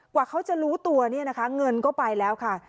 กว่าเขาจะรู้ตัวเนี่ยนะคะเงินก็ไปแล้วค่ะ